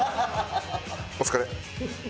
お疲れ！